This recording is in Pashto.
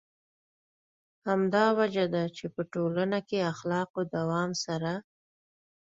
همدا وجه ده چې په ټولنه کې اخلاقو دوام سره.